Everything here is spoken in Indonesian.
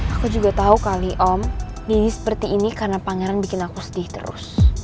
aku juga tahu kali om jadi seperti ini karena pangeran bikin aku sedih terus